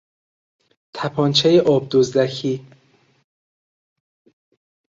تپانچهی آب دزدکی